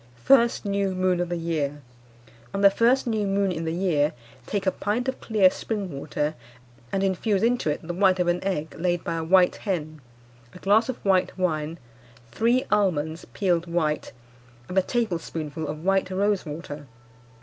"First New Moon of the year. On the first new moon in the year take a pint of clear spring water, and infuse into it the white of an egg laid by a white hen, a glass of white wine, three almonds peeled white, and a tablespoonful of white rose water.